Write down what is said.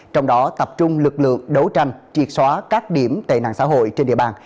trong đó tập trung lực lượng đấu tranh triệt xóa các điểm tệ nạn xã hội trên địa bàn